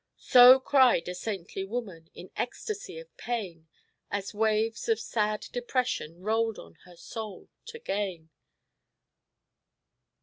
So cried a saintly woman, in ecstasy of pain, As waves of sad depression rolled on her soul to gain.